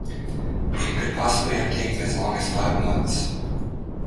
It could possibly have taken as long as five months.